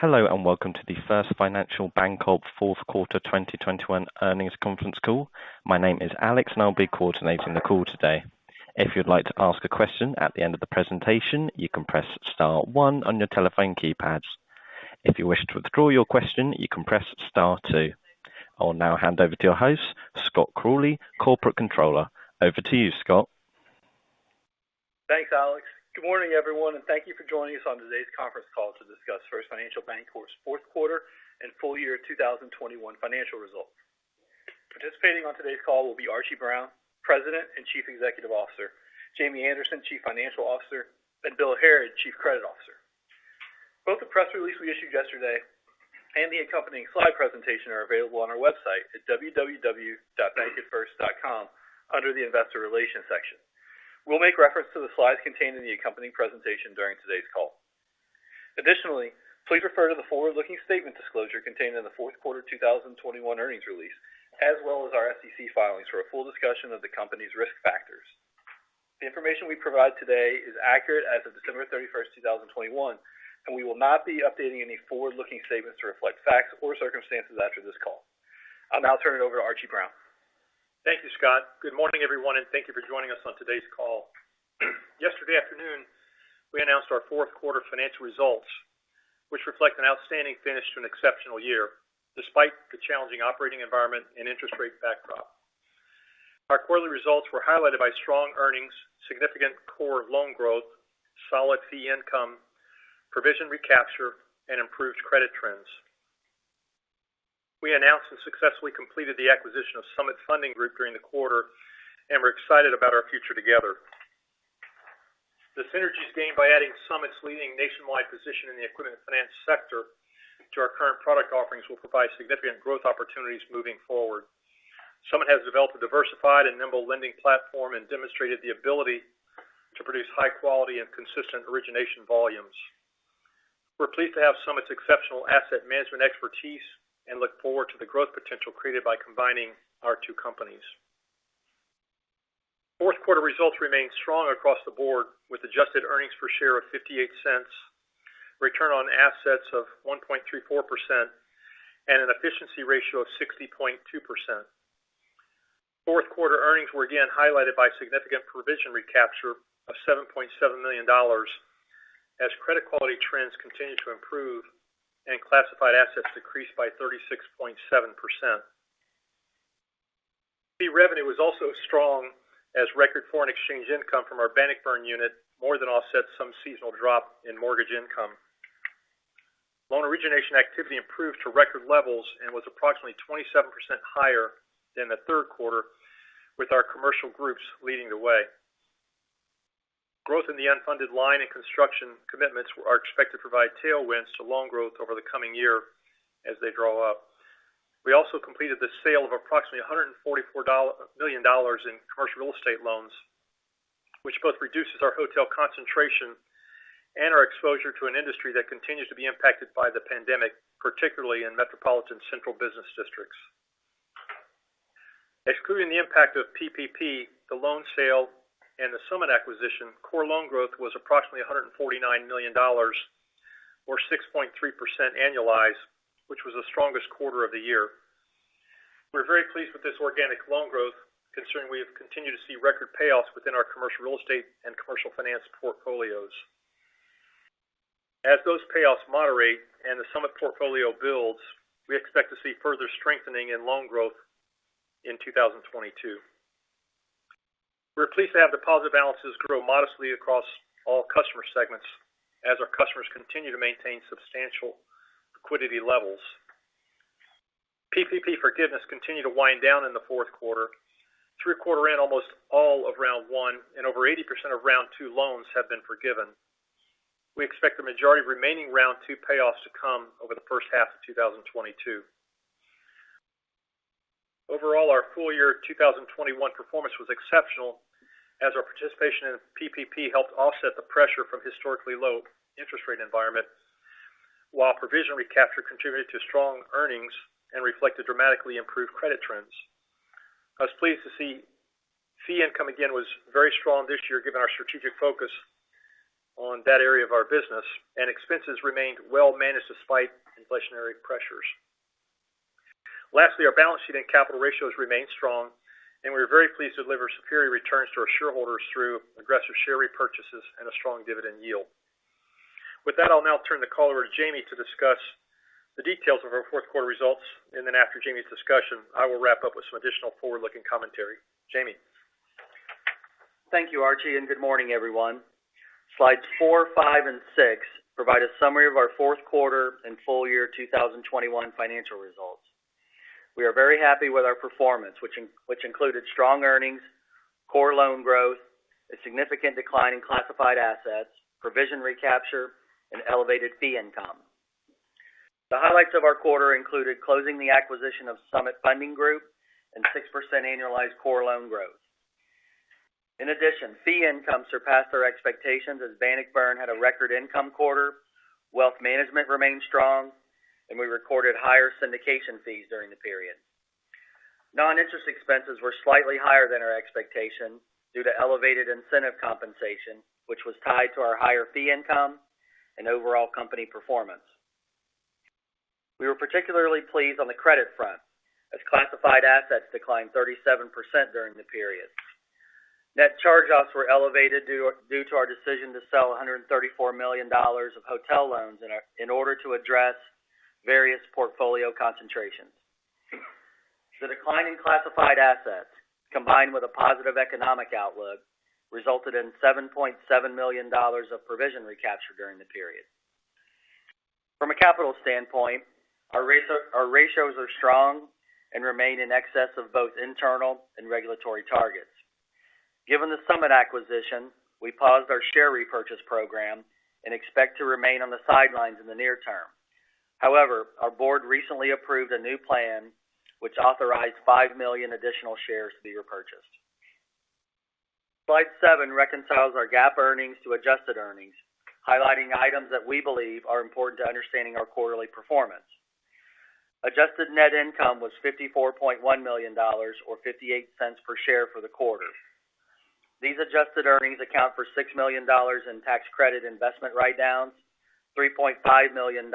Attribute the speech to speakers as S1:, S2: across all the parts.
S1: Hello, and welcome to the First Financial Bancorp Fourth Quarter 2021 earnings conference call. My name is Alex and I'll be coordinating the call today. If you'd like to ask a question at the end of the presentation, you can press star one on your telephone keypads. If you wish to withdraw your question, you can press star two. I will now hand over to your host, Scott Crawley, Corporate Controller. Over to you, Scott.
S2: Thanks, Alex. Good morning, everyone, and thank you for joining us on today's conference call to discuss First Financial Bancorp's fourth quarter and full year 2021 financial results. Participating on today's call will be Archie Brown, President and Chief Executive Officer, Jamie Anderson, Chief Financial Officer, and Bill Harrod, Chief Credit Officer. Both the press release we issued yesterday and the accompanying slide presentation are available on our website at www.bankatfirst.com, under the Investor Relations section. We'll make reference to the slides contained in the accompanying presentation during today's call. Additionally, please refer to the forward-looking statement disclosure contained in the fourth quarter 2021 earnings release, as well as our SEC filings for a full discussion of the company's risk factors. The information we provide today is accurate as of December 31st, 2021, and we will not be updating any forward-looking statements to reflect facts or circumstances after this call. I'll now turn it over to Archie Brown.
S3: Thank you, Scott. Good morning, everyone, and thank you for joining us on today's call. Yesterday afternoon, we announced our fourth quarter financial results, which reflect an outstanding finish to an exceptional year, despite the challenging operating environment and interest rate backdrop. Our quarterly results were highlighted by strong earnings, significant core loan growth, solid fee income, provision recapture, and improved credit trends. We announced and successfully completed the acquisition of Summit Funding Group during the quarter, and we're excited about our future together. The synergies gained by adding Summit's leading nationwide position in the equipment finance sector to our current product offerings will provide significant growth opportunities moving forward. Summit has developed a diversified and nimble lending platform and demonstrated the ability to produce high quality and consistent origination volumes. We're pleased to have Summit's exceptional asset management expertise and look forward to the growth potential created by combining our two companies. Fourth quarter results remain strong across the board with adjusted earnings per share of $0.58, return on assets of 1.34%, and an efficiency ratio of 60.2%. Fourth quarter earnings were again highlighted by significant provision recapture of $7.7 million, as credit quality trends continued to improve and classified assets decreased by 36.7%. Fee revenue was also strong as record foreign exchange income from our Bannockburn unit more than offset some seasonal drop in mortgage income. Loan origination activity improved to record levels and was approximately 27% higher than the third quarter with our commercial groups leading the way. Growth in the unfunded line and construction commitments are expected to provide tailwinds to loan growth over the coming year as they draw up. We also completed the sale of approximately $144 million in commercial real estate loans, which both reduces our hotel concentration and our exposure to an industry that continues to be impacted by the pandemic, particularly in metropolitan central business districts. Excluding the impact of PPP, the loan sale and the Summit acquisition, core loan growth was approximately $149 million or 6.3% annualized, which was the strongest quarter of the year. We're very pleased with this organic loan growth, considering we have continued to see record payoffs within our commercial real estate and commercial finance portfolios. As those payoffs moderate and the Summit portfolio builds, we expect to see further strengthening in loan growth in 2022. We're pleased to have deposit balances grow modestly across all customer segments as our customers continue to maintain substantial liquidity levels. PPP forgiveness continued to wind down in the fourth quarter. Through quarter end, almost all of round one and over 80% of round two loans have been forgiven. We expect the majority of remaining round two payoffs to come over the first half of 2022. Overall, our full year 2021 performance was exceptional as our participation in PPP helped offset the pressure from historically low interest rate environment, while provision recapture contributed to strong earnings and reflected dramatically improved credit trends. I was pleased to see fee income again was very strong this year, given our strategic focus on that area of our business and expenses remained well managed despite inflationary pressures. Lastly, our balance sheet and capital ratios remain strong, and we are very pleased to deliver superior returns to our shareholders through aggressive share repurchases and a strong dividend yield. With that, I'll now turn the call over to Jamie to discuss the details of our fourth quarter results. After Jamie's discussion, I will wrap up with some additional forward-looking commentary. Jamie.
S4: Thank you, Archie, and good morning, everyone. Slides four, five and six provide a summary of our fourth quarter and full year 2021 financial results. We are very happy with our performance, which included strong earnings, core loan growth, a significant decline in classified assets, provision recapture, and elevated fee income. The highlights of our quarter included closing the acquisition of Summit Funding Group and 6% annualized core loan growth. In addition, fee income surpassed our expectations as Bannockburn had a record income quarter. Wealth management remained strong, and we recorded higher syndication fees during the period. Non-interest expenses were slightly higher than our expectation due to elevated incentive compensation, which was tied to our higher fee income and overall company performance. We were particularly pleased on the credit front, as classified assets declined 37% during the period. Net charge-offs were elevated due to our decision to sell $134 million of hotel loans in order to address various portfolio concentrations. The decline in classified assets combined with a positive economic outlook resulted in $7.7 million of provision recapture during the period. From a capital standpoint, our ratios are strong and remain in excess of both internal and regulatory targets. Given the Summit acquisition, we paused our share repurchase program and expect to remain on the sidelines in the near term. However, our board recently approved a new plan which authorized 5 million additional shares to be repurchased. Slide seven reconciles our GAAP earnings to adjusted earnings, highlighting items that we believe are important to understanding our quarterly performance. Adjusted net income was $54.1 million or $0.58 per share for the quarter. These adjusted earnings account for $6 million in tax credit investment write-downs, $3.5 million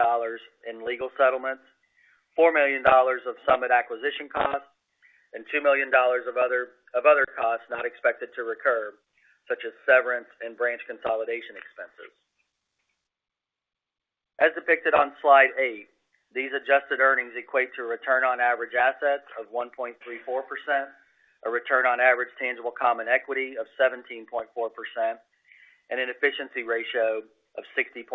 S4: in legal settlements, $4 million of Summit acquisition costs, and $2 million of other costs not expected to recur, such as severance and branch consolidation expenses. As depicted on slide eight, these adjusted earnings equate to a return on average assets of 1.34%, a return on average tangible common equity of 17.4%, and an efficiency ratio of 60.2%.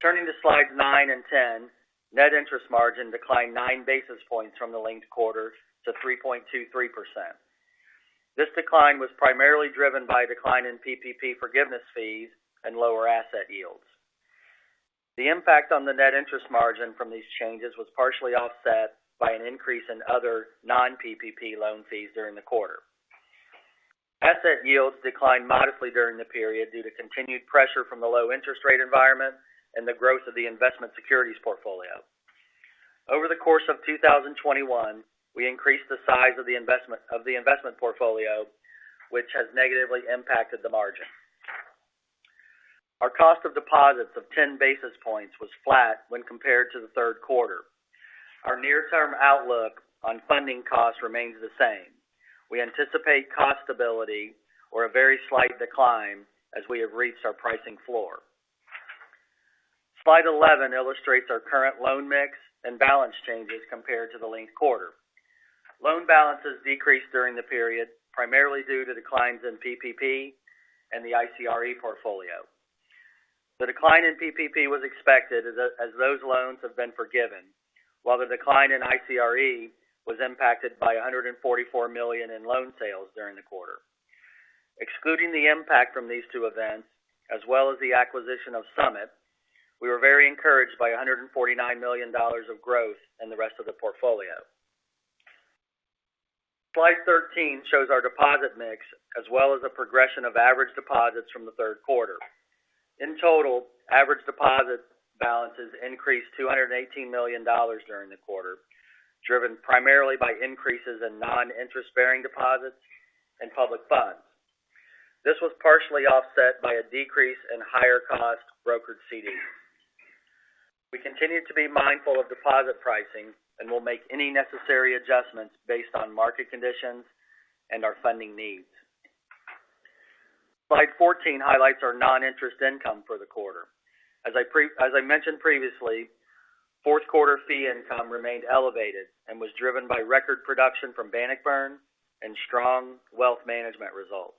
S4: Turning to slides nine and 10, net interest margin declined nine basis points from the linked quarter to 3.23%. This decline was primarily driven by a decline in PPP forgiveness fees and lower asset yields. The impact on the net interest margin from these changes was partially offset by an increase in other non-PPP loan fees during the quarter. Asset yields declined modestly during the period due to continued pressure from the low interest rate environment and the growth of the investment securities portfolio. Over the course of 2021, we increased the size of the investment portfolio, which has negatively impacted the margin. Our cost of deposits of 10 basis points was flat when compared to the third quarter. Our near-term outlook on funding costs remains the same. We anticipate cost stability or a very slight decline as we have reached our pricing floor. Slide 11 illustrates our current loan mix and balance changes compared to the linked quarter. Loan balances decreased during the period, primarily due to declines in PPP and the ICRE portfolio. The decline in PPP was expected as those loans have been forgiven. While the decline in ICRE was impacted by $144 million in loan sales during the quarter. Excluding the impact from these two events, as well as the acquisition of Summit, we were very encouraged by $149 million of growth in the rest of the portfolio. Slide 13 shows our deposit mix, as well as the progression of average deposits from the third quarter. In total, average deposit balances increased $218 million during the quarter, driven primarily by increases in non-interest-bearing deposits and public funds. This was partially offset by a decrease in higher cost brokered CDs. We continue to be mindful of deposit pricing and will make any necessary adjustments based on market conditions and our funding needs. Slide 14 highlights our non-interest income for the quarter. As I mentioned previously, fourth quarter fee income remained elevated and was driven by record production from Bannockburn and strong wealth management results.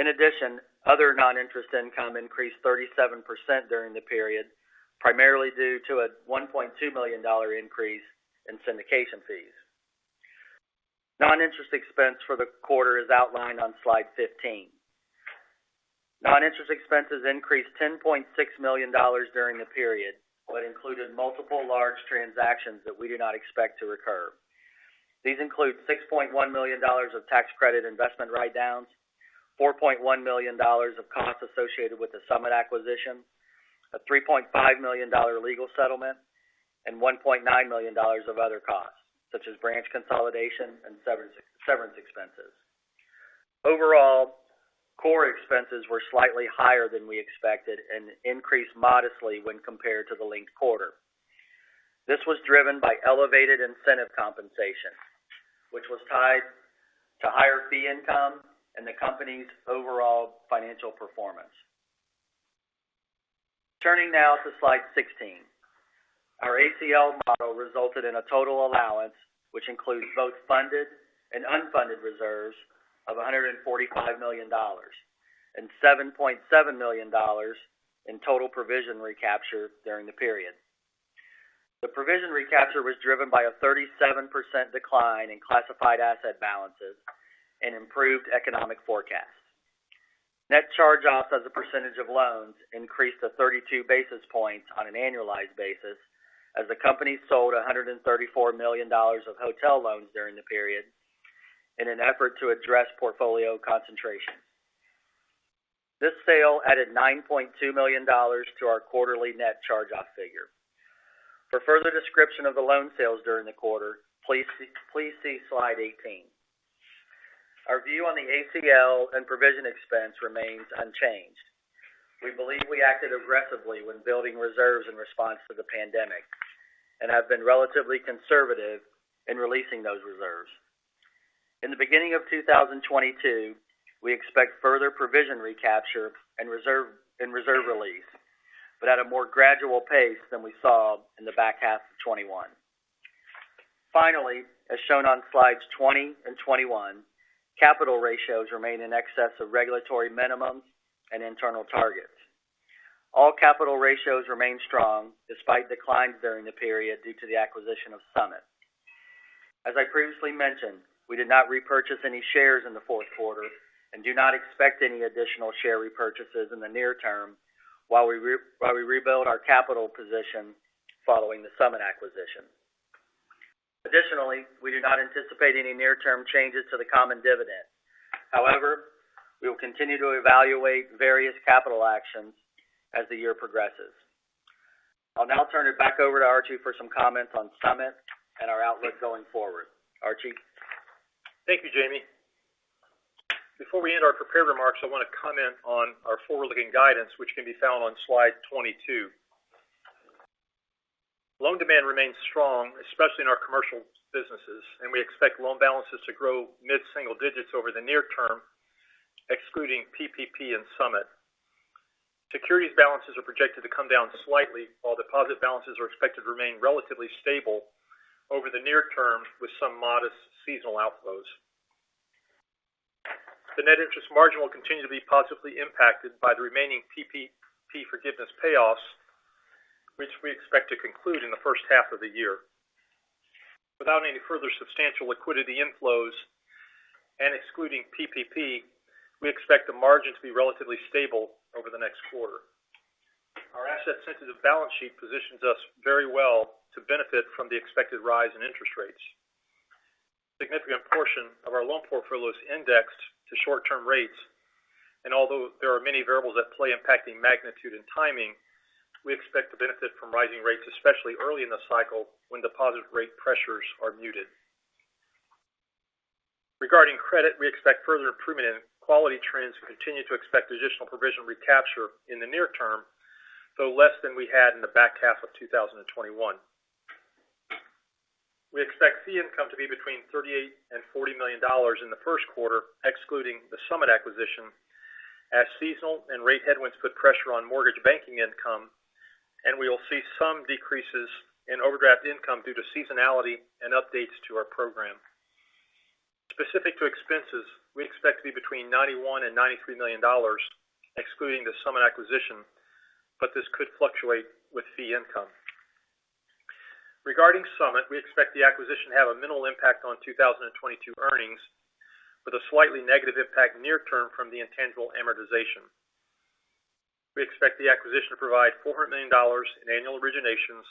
S4: In addition, other non-interest income increased 37% during the period, primarily due to a $1.2 million increase in syndication fees. Non-interest expense for the quarter is outlined on Slide 15. Non-interest expenses increased $10.6 million during the period, which included multiple large transactions that we do not expect to recur. These include $6.1 million of tax credit investment write-downs, $4.1 million of costs associated with the Summit acquisition, a $3.5 million legal settlement, and $1.9 million of other costs, such as branch consolidation and severance expenses. Overall, core expenses were slightly higher than we expected and increased modestly when compared to the linked quarter. This was driven by elevated incentive compensation, which was tied to higher fee income and the company's overall financial performance. Turning now to slide 16. Our ACL model resulted in a total allowance, which includes both funded and unfunded reserves of $145 million, and $7.7 million in total provision recapture during the period. The provision recapture was driven by a 37% decline in classified asset balances and improved economic forecasts. Net charge-offs as a percentage of loans increased to 32 basis points on an annualized basis as the company sold $134 million of hotel loans during the period in an effort to address portfolio concentration. This sale added $9.2 million to our quarterly net charge-off figure. For further description of the loan sales during the quarter, please see slide 18. Our view on the ACL and provision expense remains unchanged. We believe we acted aggressively when building reserves in response to the pandemic, and have been relatively conservative in releasing those reserves. In the beginning of 2022, we expect further provision recapture and reserve release, but at a more gradual pace than we saw in the back half of 2021. Finally, as shown on slides 20 and 21, capital ratios remain in excess of regulatory minimums and internal targets. All capital ratios remain strong despite declines during the period due to the acquisition of Summit. As I previously mentioned, we did not repurchase any shares in the fourth quarter and do not expect any additional share repurchases in the near term while we rebuild our capital position following the Summit acquisition. Additionally, we do not anticipate any near-term changes to the common dividend. However, we will continue to evaluate various capital actions as the year progresses. I'll now turn it back over to Archie for some comments on Summit and our outlook going forward. Archie.
S3: Thank you, Jamie. Before we end our prepared remarks, I want to comment on our forward-looking guidance, which can be found on slide 22. Loan demand remains strong, especially in our commercial businesses, and we expect loan balances to grow mid-single digits over the near term, excluding PPP and Summit. Securities balances are projected to come down slightly, while deposit balances are expected to remain relatively stable over the near term with some modest seasonal outflows. The net interest margin will continue to be positively impacted by the remaining PPP forgiveness payoffs, which we expect to conclude in the first half of the year. Without any further substantial liquidity inflows and excluding PPP, we expect the margin to be relatively stable over the next quarter. Our asset-sensitive balance sheet positions us very well to benefit from the expected rise in interest rates. A significant portion of our loan portfolio is indexed to short-term rates, and although there are many variables at play impacting magnitude and timing, we expect to benefit from rising rates, especially early in the cycle when deposit rate pressures are muted. Regarding credit, we expect further improvement in quality trends and continue to expect additional provision recapture in the near term, though less than we had in the back half of 2021. We expect fee income to be between $38 million-$40 million in the first quarter, excluding the Summit acquisition, as seasonal and rate headwinds put pressure on mortgage banking income, and we will see some decreases in overdraft income due to seasonality and updates to our program. Specific to expenses, we expect to be between $91 million-$93 million, excluding the Summit acquisition, but this could fluctuate with fee income. Regarding Summit, we expect the acquisition to have a minimal impact on 2022 earnings, with a slightly negative impact near term from the intangible amortization. We expect the acquisition to provide $400 million in annual originations,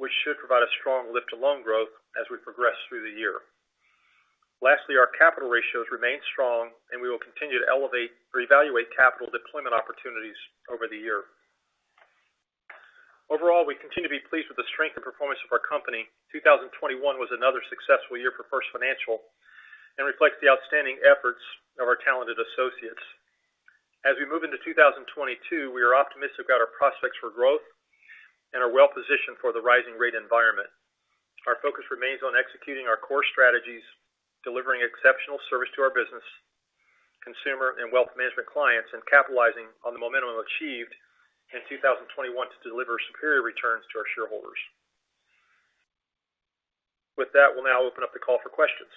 S3: which should provide a strong lift to loan growth as we progress through the year. Lastly, our capital ratios remain strong, and we will continue to reevaluate capital deployment opportunities over the year. Overall, we continue to be pleased with the strength and performance of our company. 2021 was another successful year for First Financial and reflects the outstanding efforts of our talented associates. As we move into 2022, we are optimistic about our prospects for growth and are well positioned for the rising rate environment. Our focus remains on executing our core strategies, delivering exceptional service to our business, consumer and wealth management clients, and capitalizing on the momentum achieved in 2021 to deliver superior returns to our shareholders. With that, we'll now open up the call for questions.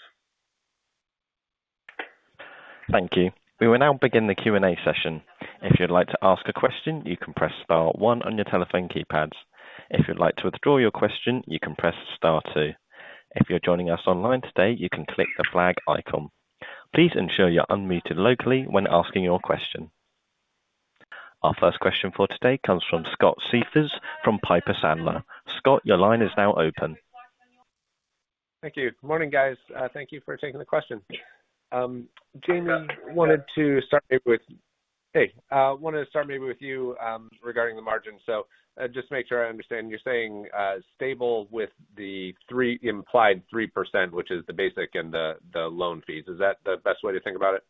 S1: Thank you. We will now begin the Q&A session. If you'd like to ask a question, you can press star one on your telephone keypads. If you'd like to withdraw your question, you can press star two. If you're joining us online today, you can click the flag icon. Please ensure you're unmuted locally when asking your question. Our first question for today comes from Scott Siefers from Piper Sandler. Scott, your line is now open.
S5: Thank you. Morning, guys. Thank you for taking the question. Jamie, wanted to start maybe with you regarding the margin. Just make sure I understand, you're saying stable with the implied 3%, which is the basis and the loan fees. Is that the best way to think about it?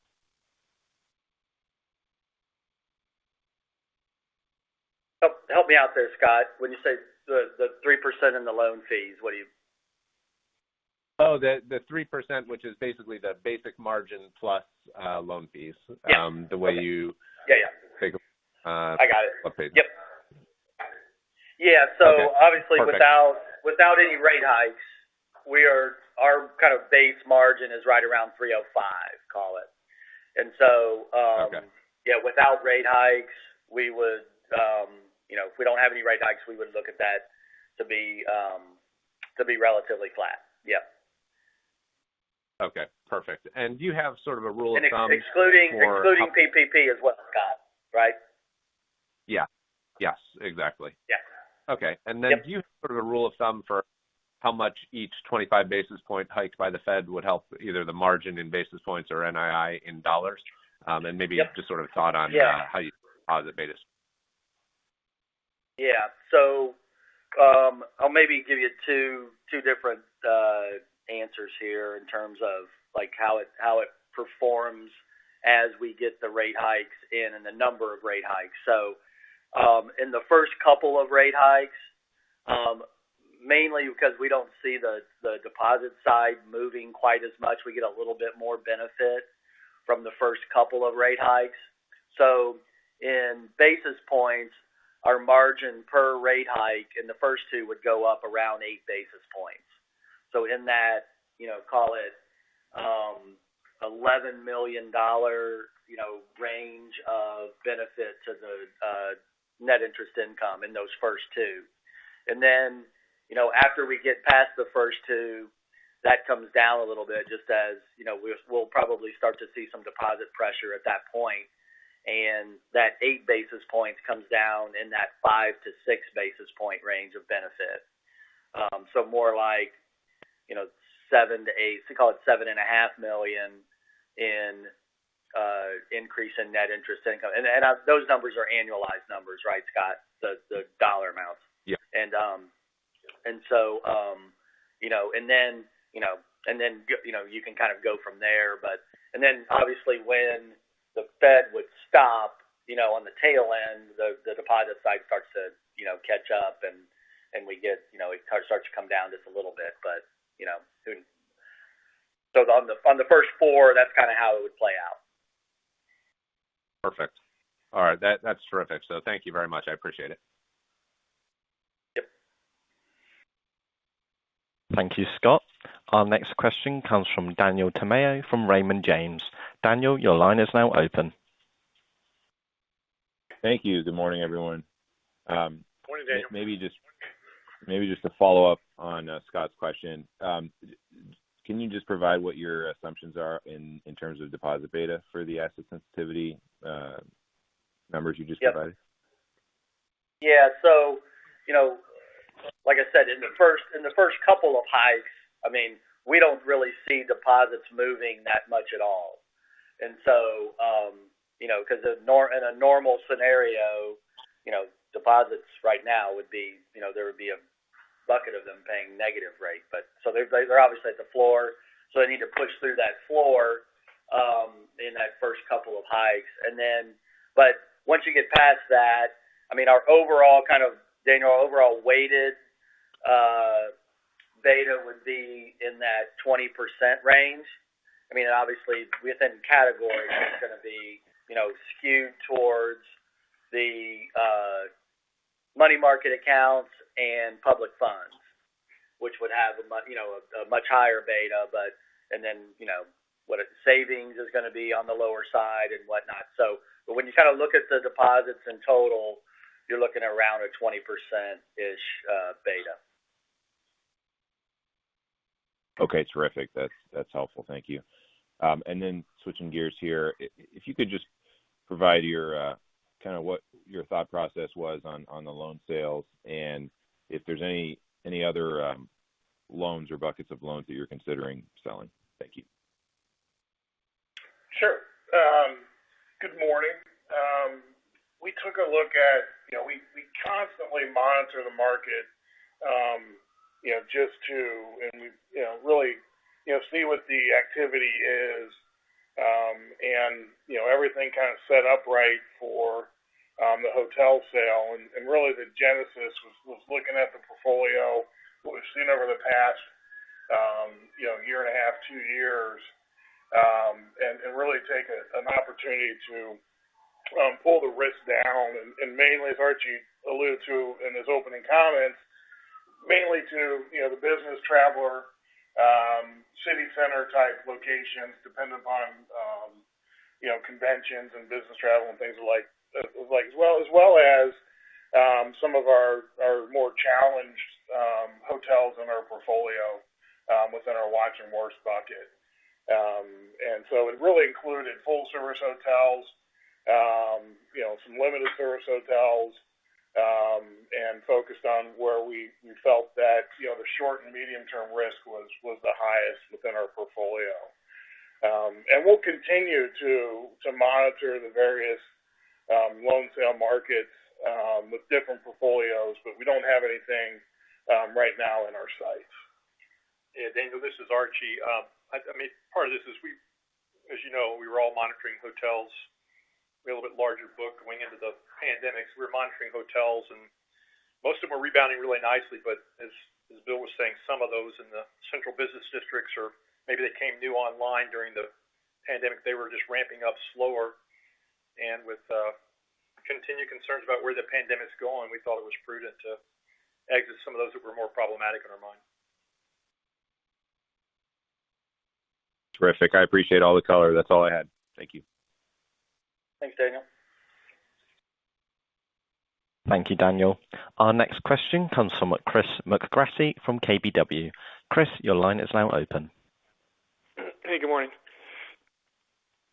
S4: Help me out there, Scott. When you say the 3% in the loan fees, what do you?
S5: The 3%, which is basically the basic margin plus loan fees-
S4: Yeah.
S5: the way you-
S4: Yeah, yeah.
S5: Take a-
S4: I got it.
S5: Okay.
S4: Yep. Yeah.
S5: Okay. Perfect.
S4: Obviously, without any rate hikes, our kind of base margin is right around 3.05%, call it.
S5: Okay.
S4: Yeah, without rate hikes, we would, you know, if we don't have any rate hikes, we would look at that to be relatively flat. Yeah.
S5: Okay, perfect. Do you have sort of a rule of thumb for?
S4: Excluding PPP is what, Scott, right?
S5: Yeah. Yes, exactly.
S4: Yeah.
S5: Okay.
S4: Yeah.
S5: Do you have sort of a rule of thumb for how much each 25 basis point hike by the Fed would help either the margin in basis points or NII in dollars? Maybe just sort of thoughts on how your deposit betas.
S4: I'll maybe give you two different answers here in terms of like, how it performs as we get the rate hikes in and the number of rate hikes. In the first couple of rate hikes, mainly because we don't see the deposit side moving quite as much, we get a little bit more benefit from the first couple of rate hikes. In basis points, our margin per rate hike in the first two would go up around eight basis points. In that, you know, call it, $11 million, you know, range of benefit to the net interest income in those first two. You know, after we get past the first two, that comes down a little bit just as, you know, we'll probably start to see some deposit pressure at that point. That 8 basis points comes down in that 5-6 basis points range of benefit. More like, you know, seven to eight, so call it $7.5 million an increase in net interest income. Those numbers are annualized numbers, right, Scott? The dollar amounts.
S5: Yeah.
S4: You know, and then you can kind of go from there, but, and then obviously when the Fed would stop, you know, on the tail end, the deposit side starts to, you know, catch up and we get, you know, it kind of starts to come down just a little bit. You know. On the first four, that's kind of how it would play out.
S5: Perfect. All right. That's terrific. Thank you very much. I appreciate it.
S4: Yep.
S1: Thank you, Scott. Our next question comes from Daniel Tamayo from Raymond James. Daniel, your line is now open.
S6: Thank you. Good morning, everyone.
S4: Morning, Daniel.
S6: Maybe just to follow up on Scott's question. Can you just provide what your assumptions are in terms of deposit beta for the asset sensitivity numbers you just provided?
S4: Yeah. You know, like I said, in the first couple of hikes, I mean, we don't really see deposits moving that much at all. In a normal scenario, you know, deposits right now would be, you know, there would be a bucket of them paying negative rate. They're obviously at the floor, so they need to push through that floor in that first couple of hikes. Once you get past that, I mean our overall kind of general overall weighted beta would be in that 20% range. I mean, obviously within categories, it's going to be, you know, skewed towards the money market accounts and public funds, which would have a much higher bet you know, what savings is going to be on the lower side and whatnot. When you kind of look at the deposits in total, you're looking at around a 20%-ish beta.
S6: Okay. Terrific. That's helpful. Thank you. Switching gears here. If you could just provide your kind of what your thought process was on the loan sales and if there's any other loans or buckets of loans that you're considering selling? Thank you.
S7: Sure. Good morning. We took a look at, you know, we constantly monitor the market, you know, and we really see what the activity is. You know, everything kind of set up right for the hotel sale. Really the genesis was looking at the portfolio, what we've seen over the past year and a half, two years. Really take an opportunity to pull the risk down. Mainly, as Archie alluded to in his opening comments, mainly to the business traveler city center type locations dependent upon conventions and business travel and things like. As well as some of our more challenged hotels in our portfolio within our watch and worse bucket. It really included full service hotels, you know, some limited service hotels, and focused on where we felt that, you know, the short and medium term risk was the highest within our portfolio. We'll continue to monitor the various loan sale markets with different portfolios, but we don't have anything right now in our sights.
S3: Yeah. Daniel, this is Archie. I mean, part of this is we, as you know, we were all monitoring hotels. We had a little bit larger book going into the pandemic. We were monitoring hotels, and most of them are rebounding really nicely. But as Bill was saying, some of those in the central business districts are, maybe they came new online during the pandemic. They were just ramping up slower. With continued concerns about where the pandemic is going, we thought it was prudent to exit some of those that were more problematic in our mind.
S6: Terrific. I appreciate all the color. That's all I had. Thank you.
S4: Thanks, Daniel.
S1: Thank you, Daniel. Our next question comes from Chris McGratty from KBW. Chris, your line is now open.
S8: Hey, good morning.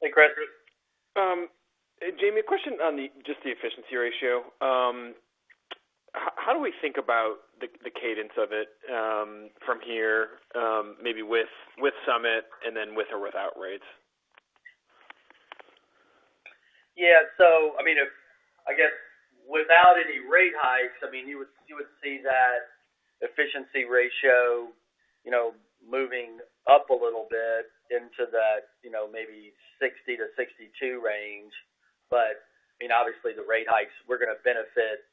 S4: Hey, Chris.
S8: Jamie, a question on just the efficiency ratio. How do we think about the cadence of it from here, maybe with Summit and then with or without rates?
S4: Yeah. I mean, if I guess without any rate hikes, I mean, you would see that efficiency ratio, you know, moving up a little bit into that, you know, maybe 60%-62% range. I mean, obviously the rate hikes, we're gonna benefit,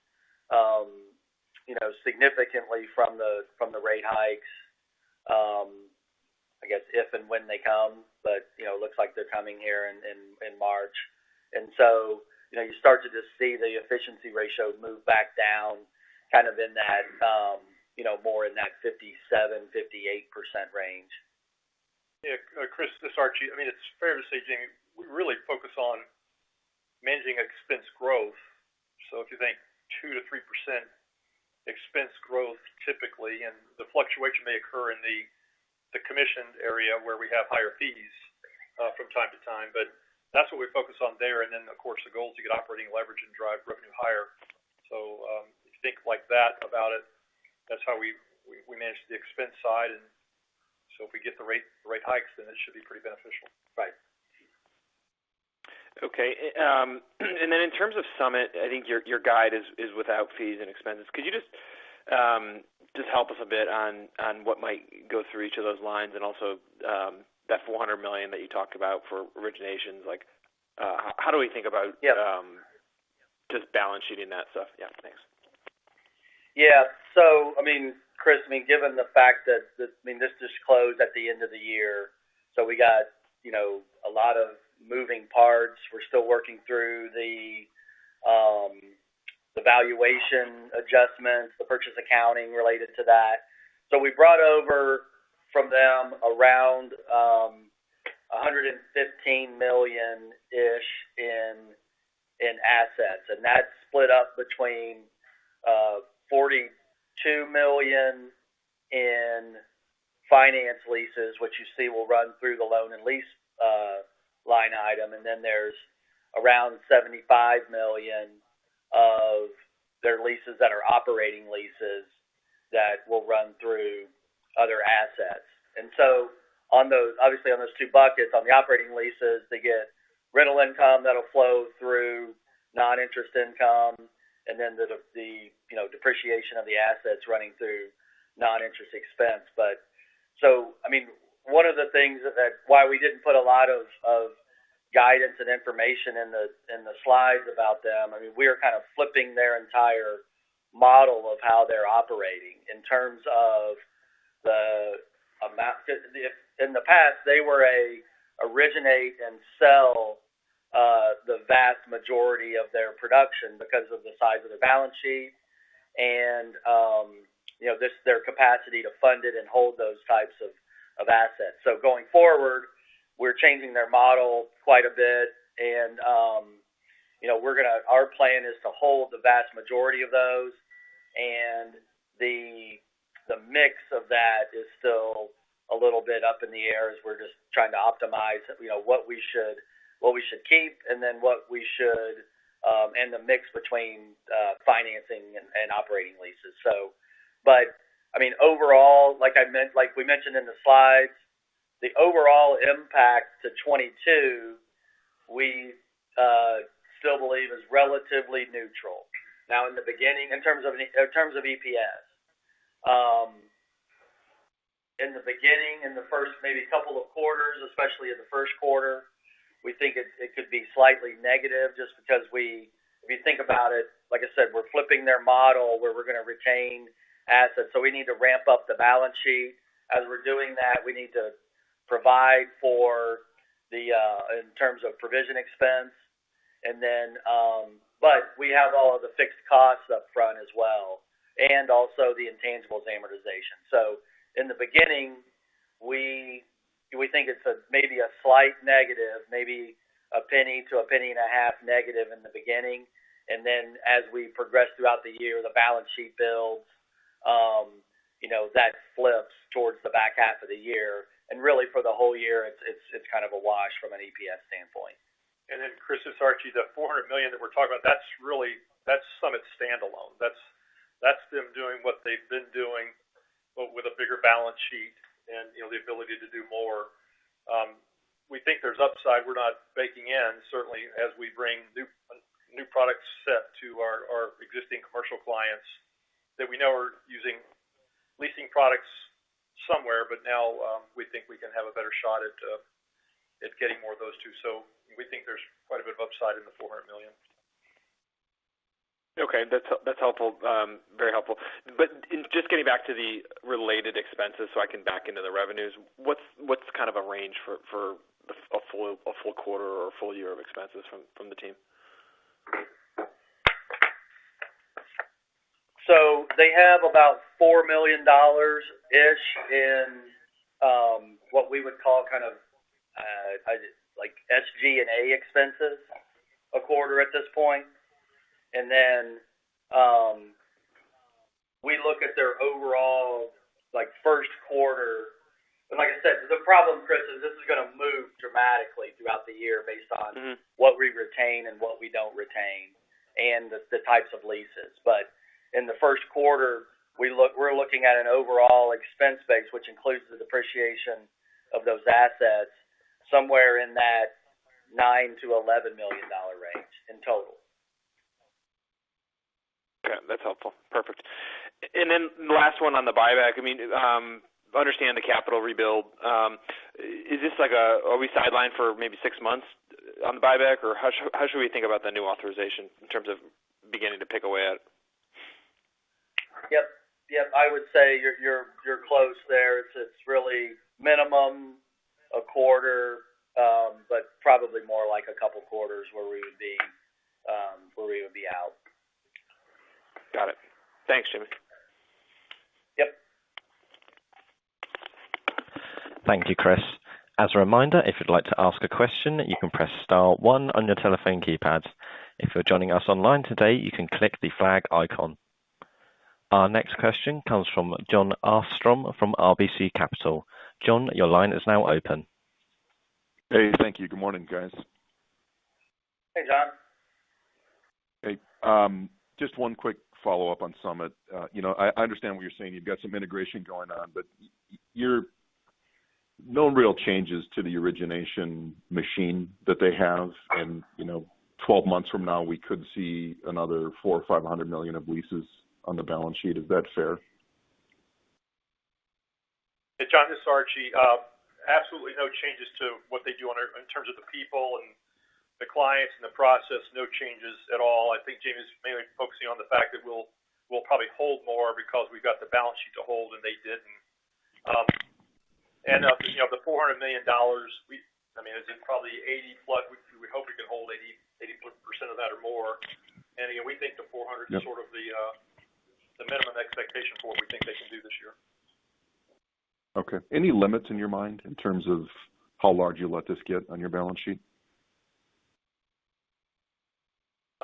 S4: you know, significantly from the rate hikes, I guess if and when they come. You know, it looks like they're coming here in March. You know, you start to just see the efficiency ratios move back down kind of in that, you know, more in that 57%-58% range.
S3: Yeah. Chris, this is Archie. I mean, it's fair to say, Jamie, we really focus on managing expense growth. If you think 2%-3% expense growth typically, and the fluctuation may occur in the commission area where we have higher fees from time to time. That's what we focus on there. Of course, the goal is to get operating leverage and drive revenue higher. If you think like that about it, that's how we manage the expense side. If we get the rate hikes, then it should be pretty beneficial.
S4: Right.
S8: Okay. In terms of Summit, I think your guide is without fees and expenses. Could you just help us a bit on what might go through each of those lines and also that $400 million that you talked about for originations, like, how do we think about-
S4: Yeah
S8: just balance sheet in that stuff? Yeah, thanks.
S4: Yeah. I mean, Chris, given the fact that, I mean, this just closed at the end of the year, we got, you know, a lot of moving parts. We're still working through the valuation adjustments, the purchase accounting related to that. We brought over from them around $115 million-ish in assets, and that's split up between $42 million in finance leases, which you see will run through the loan and lease line item. Then there's around $75 million of their leases that are operating leases that will run through other assets. On those, obviously on those two buckets, on the operating leases, they get rental income that'll flow through non-interest income and then the, you know, depreciation of the assets running through non-interest expense. I mean, one of the things why we didn't put a lot of guidance and information in the slides about them. I mean, we are kind of flipping their entire model of how they're operating in terms of the amount. In the past they were an originate and sell the vast majority of their production because of the size of the balance sheet and, you know, their capacity to fund it and hold those types of assets. Going forward, we're changing their model quite a bit. You know, our plan is to hold the vast majority of those. The mix of that is still a little bit up in the air as we're just trying to optimize, you know, what we should keep and then what we should and the mix between financing and operating leases. But I mean, overall, like we mentioned in the slides, the overall impact to 2022 we still believe is relatively neutral. In the beginning, in terms of EPS, in the beginning, in the first maybe couple of quarters, especially in the first quarter, we think it could be slightly negative just because we, if you think about it, like I said, we're flipping their model where we're gonna retain assets, so we need to ramp up the balance sheet. As we're doing that, we need to provide for the in terms of provision expense. But we have all of the fixed costs up front as well, and also the intangible amortization. In the beginning, we think it's maybe a slight negative, maybe $0.01-$0.015 negative in the beginning. As we progress throughout the year, the balance sheet builds, you know, that flips towards the back half of the year. Really for the whole year, it's kind of a wash from an EPS standpoint.
S3: Chris, this is Archie. The $400 million that we're talking about, that's really Summit standalone. That's them doing what they've been doing but with a bigger balance sheet and, you know, the ability to do more. We think there's upside. We're not baking in certainly as we bring new product set to our existing commercial clients that we know are using leasing products somewhere. But now, we think we can have a better shot at getting more of those, too. We think there's quite a bit of upside in the $400 million.
S8: Okay. That's helpful. Very helpful. Just getting back to the related expenses so I can back into the revenues. What's kind of a range for a full quarter or a full year of expenses from the team?
S4: They have about $4 million-ish in what we would call kind of like SG&A expenses a quarter at this point. We look at their overall, like first quarter. Like I said, the problem, Chris, is this is gonna move dramatically throughout the year based on what we retain and what we don't retain, and the types of leases. In the first quarter, we're looking at an overall expense base, which includes the depreciation of those assets somewhere in that $9 million-$11 million range in total.
S8: Okay. That's helpful. Perfect. The last one on the buyback. I mean, I understand the capital rebuild. Are we sidelined for maybe six months on the buyback? Or how should we think about the new authorization in terms of beginning to pick away at it?
S4: Yep. Yep, I would say you're close there. It's really minimum a quarter, but probably more like a couple quarters where we would be out.
S8: Got it. Thanks, Jamie.
S4: Yep.
S1: Thank you, Chris. As a reminder, if you'd like to ask a question, you can press star one on your telephone keypad. If you're joining us online today, you can click the flag icon. Our next question comes from Jon Arfstrom from RBC Capital. Jon, your line is now open.
S9: Hey. Thank you. Good morning, guys.
S4: Hey, Jon.
S9: Hey. Just one quick follow-up on Summit. You know, I understand what you're saying. You've got some integration going on, but no real changes to the origination machine that they have, and you know, twelve months from now we could see another $400 million-$500 million of leases on the balance sheet. Is that fair?
S3: Hey, Jon, this is Archie. Absolutely no changes to what they do in terms of the people and the clients and the process. No changes at all. I think Jamie's mainly focusing on the fact that we'll probably hold more because we've got the balance sheet to hold, and they didn't. You know, the $400 million—I mean, it's probably 80+. We hope we can hold 80+% of that or more. Again, we think the $400-
S9: Yep
S3: Is sort of the minimum expectation for what we think they can do this year.
S9: Okay. Any limits in your mind in terms of how large you let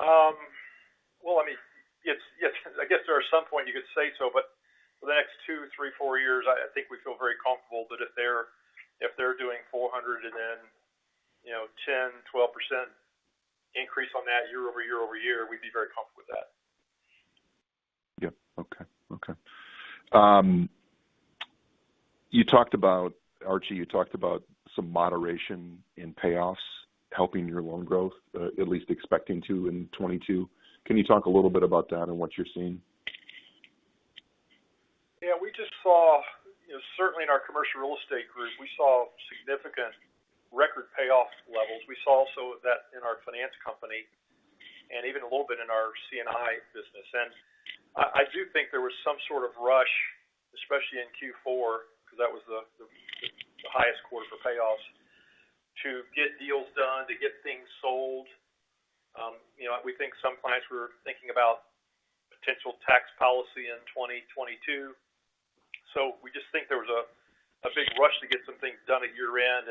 S9: this get on your balance sheet?
S3: Well, I mean, yes. I guess there is some point you could say so, but for the next two, three, four years, I think we feel very comfortable that if they're doing 400 and then 10%-12% increase on that year-over-year, we'd be very comfortable with that.
S9: Yep. Okay. You talked about, Archie, some moderation in payoffs helping your loan growth, at least expecting to in 2022. Can you talk a little bit about that and what you're seeing?
S3: Yeah. We just saw, you know, certainly in our commercial real estate group, we saw significant record payoff levels. We saw also that in our finance company and even a little bit in our C&I business. I do think there was some sort of rush, especially in Q4, because that was the highest quarter for payoffs, to get deals done, to get things sold. You know, we think some clients were thinking about potential tax policy in 2022. We just think there was a big rush to get some things done at year-end.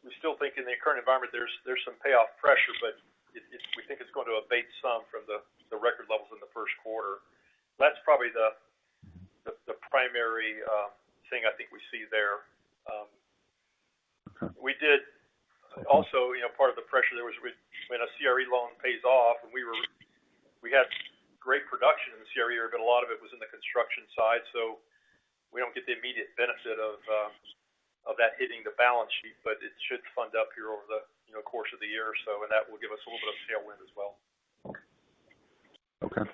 S3: We still think in the current environment there's some payoff pressure, but it. We think it's going to abate some from the record levels in the first quarter. That's probably the primary thing I think we see there. We did also, you know, part of the pressure there was with when a CRE loan pays off, and we had great production in the CRE area, but a lot of it was in the construction side. We don't get the immediate benefit of that hitting the balance sheet, but it should fund up here over the, you know, course of the year or so, and that will give us a little bit of tailwind as well.
S9: Okay.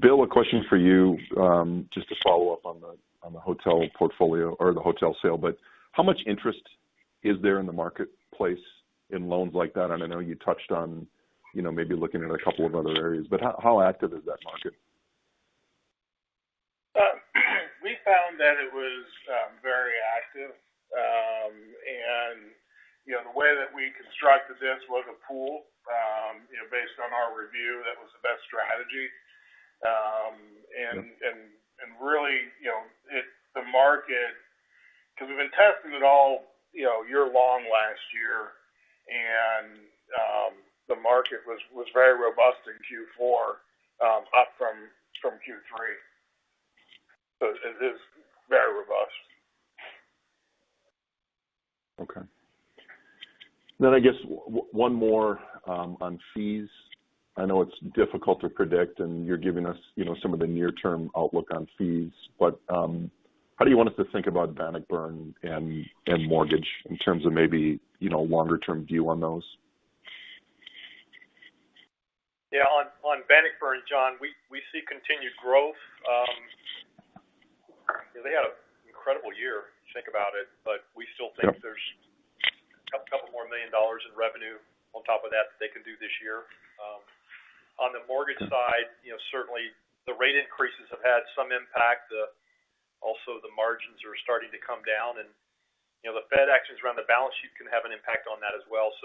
S9: Bill, a question for you, just to follow up on the hotel portfolio or the hotel sale. How much interest is there in the marketplace in loans like that? I know you touched on, you know, maybe looking at a couple of other areas, but how active is that market?
S7: We found that it was very active. You know, the way that we constructed this was a pool. You know, based on our review, that was the best strategy. Really, you know, the market, because we've been testing it all year long last year. The market was very robust in Q4, up from Q3. It is very robust.
S9: I guess one more on fees. I know it's difficult to predict, and you're giving us, you know, some of the near term outlook on fees. How do you want us to think about Bannockburn and mortgage in terms of maybe, you know, longer term view on those?
S3: Yeah. On Bannockburn, Jon, we see continued growth. You know, they had an incredible year if you think about it, but we still think there's $2 million in revenue on top of that that they can do this year. On the mortgage side, you know, certainly the rate increases have had some impact. Also the margins are starting to come down, and you know, the Fed actions around the balance sheet can have an impact on that as well.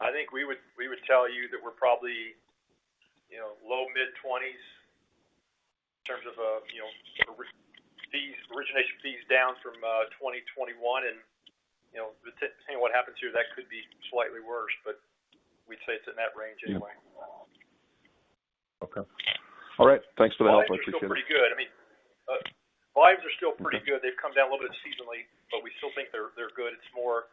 S3: I think we would tell you that we're probably you know, low mid-20s in terms of fees, origination fees down from 2021 and you know, depending what happens here, that could be slightly worse, but we'd say it's in that range anyway.
S9: Yeah. Okay. All right. Thanks for the help. I appreciate it.
S3: Volumes are still pretty good. I mean, they've come down a little bit seasonally, but we still think they're good. It's more,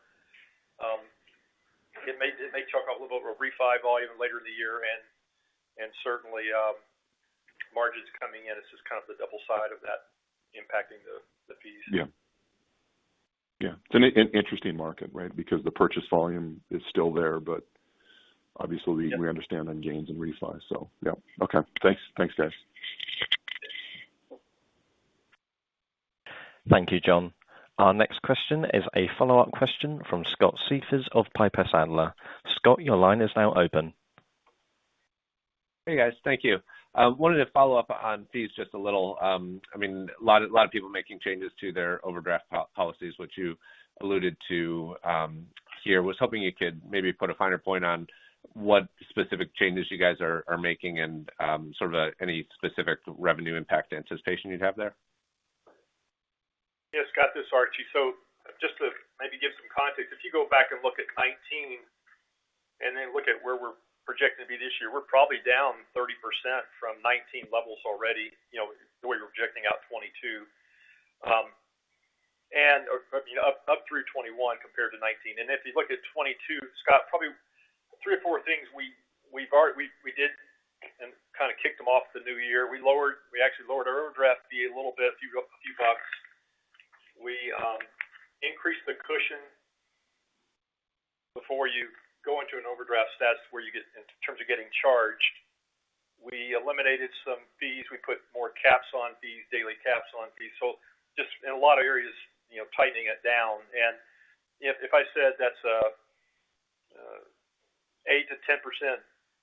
S3: it may pick up a little bit of a refi volume later in the year and certainly, margins coming in, it's just kind of the downside of that impacting the fees.
S9: Yeah. Yeah. It's an interesting market, right? Because the purchase volume is still there, but obviously-
S3: Yeah.
S9: We understand on gains and refi. Yeah. Okay, thanks. Thanks, guys.
S1: Thank you, Jon. Our next question is a follow-up question from Scott Siefers of Piper Sandler. Scott, your line is now open.
S5: Hey, guys. Thank you. I wanted to follow up on fees just a little. I mean, a lot of people making changes to their overdraft policies, which you alluded to here. Was hoping you could maybe put a finer point on what specific changes you guys are making and sort of any specific revenue impact anticipation you'd have there.
S3: Yeah, Scott, this is Archie. Just to maybe give some context, if you go back and look at 2019 and then look at where we're projecting to be this year, we're probably down 30% from 2019 levels already, you know, the way you're projecting out 2022. You know, up through 2021 compared to 2019. If you look at 2022, Scott, probably three or four things we did and kind of kicked them off the new year. We actually lowered our overdraft fee a little bit, a few bucks. We increased the cushion before you go into an overdraft status in terms of getting charged. We eliminated some fees. We put more caps on fees, daily caps on fees. Just in a lot of areas, you know, tightening it down. If I said that's an 8%-10%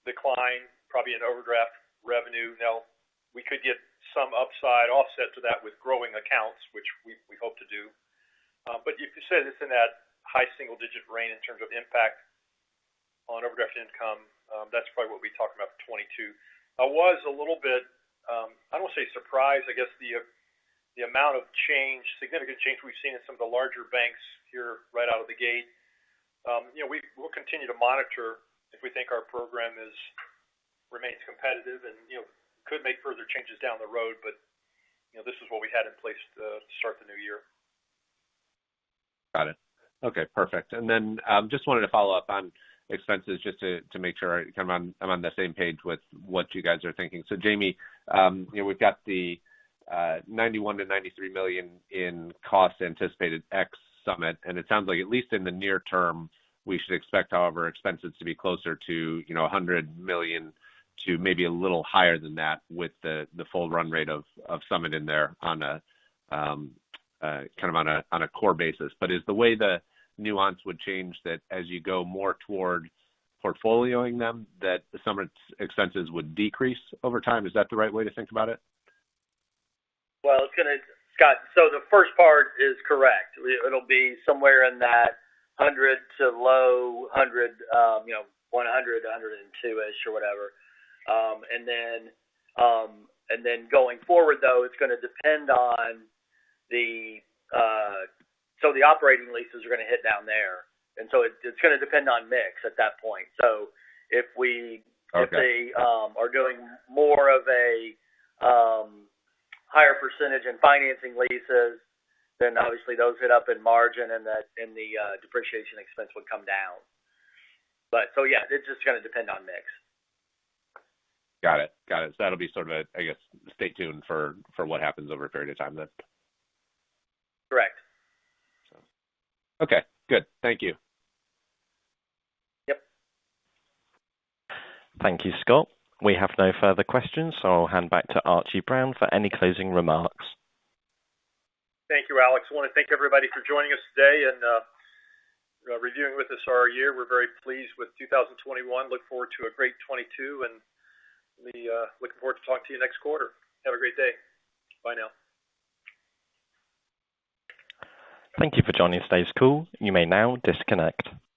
S3: decline, probably in overdraft revenue. Now, we could get some upside offset to that with growing accounts, which we hope to do. You could say it's in that high single-digit range in terms of impact on overdraft income. That's probably what we talk about for 2022. I was a little bit. I don't want to say surprised, I guess, the amount of change, significant change we've seen in some of the larger banks here right out of the gate. You know, we'll continue to monitor if we think our program remains competitive and, you know, could make further changes down the road. You know, this is what we had in place to start the new year.
S5: Got it. Okay, perfect. Then, just wanted to follow up on expenses just to make sure I'm kind of on the same page with what you guys are thinking. Jamie, you know, we've got the $91 million-$93 million in costs anticipated ex Summit. It sounds like at least in the near term, we should expect higher expenses to be closer to, you know, $100 million to maybe a little higher than that with the full run rate of Summit in there on a core basis. But is the way the nuance would change that as you go more toward portfolioing them, that the Summit's expenses would decrease over time? Is that the right way to think about it?
S4: Well, Scott, so the first part is correct. It'll be somewhere in that 100 to low 100, you know, 100 to 102-ish or whatever. Then going forward, though, it's gonna depend on the. The operating leases are gonna hit down there. It's gonna depend on mix at that point. If we
S5: Okay.
S4: If we are doing more of a higher percentage in financing leases, then obviously those hit up in margin and the depreciation expense would come down. Yeah, it's just gonna depend on mix.
S5: Got it. That'll be sort of a, I guess, stay tuned for what happens over a period of time then.
S4: Correct.
S5: Okay, good. Thank you.
S4: Yep.
S1: Thank you, Scott. We have no further questions, so I'll hand back to Archie Brown for any closing remarks.
S3: Thank you, Alex. I want to thank everybody for joining us today and reviewing with us our year. We're very pleased with 2021. Look forward to a great 2022, and we look forward to talking to you next quarter. Have a great day. Bye now.
S1: Thank you for joining today's call. You may now disconnect.